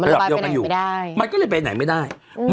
ระดับเดียวกันอยู่มันก็เลยไปไหนไม่ได้อืม